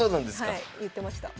はい言ってました。